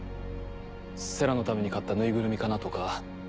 星来のために買った縫いぐるみかなとか。